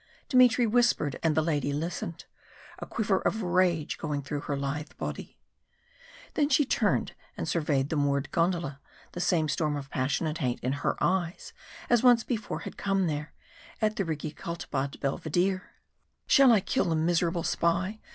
Dmitry whispered, and the lady listened, a quiver of rage going through her lithe body. Then she turned and surveyed the moored gondola, the same storm of passion and hate in her eyes as once before had come there, at the Rigi Kaltbad Belvedere. "Shall I kill the miserable spy?